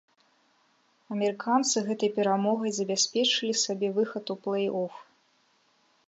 Амерыканцы гэтай перамогай забяспечылі сабе выхад у плэй-оф.